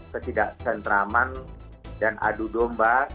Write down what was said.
kecidak sentraman dan adu domba